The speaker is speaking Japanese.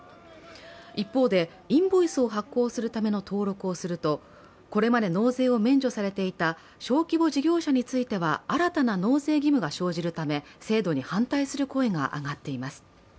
一方で、インボイスを発行するための登録をするとこれまで納税を免除されていた小規模事業者については、新たな納税義務が生じるため、制度に反対する声が上がっています。